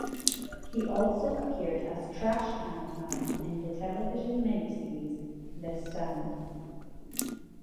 He also appeared as Trashcan Man in the television miniseries "The Stand".